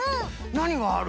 なにがある？